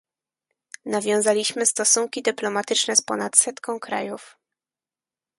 Nawiązaliśmy stosunki dyplomatyczne z ponad setką krajów